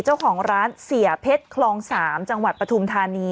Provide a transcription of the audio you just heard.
เจ้าของร้านเสียเพชรคลอง๓จังหวัดปฐุมธานี